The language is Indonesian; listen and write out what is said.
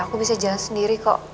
aku bisa jalan sendiri kok